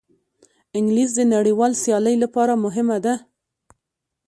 انګلیسي د نړیوال سیالۍ لپاره مهمه ده